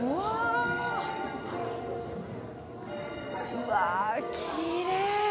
うわきれい。